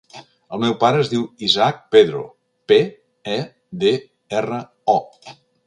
El meu pare es diu Isaac Pedro: pe, e, de, erra, o.